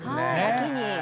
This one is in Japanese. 秋に。